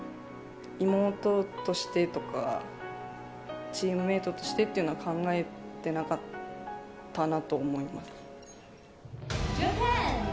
妹としてとか、チームメートとしてっていうのは考えてなかったなと思います。